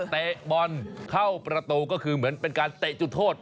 เตะบอลเข้าประตูก็คือเหมือนเป็นการเตะจุดโทษ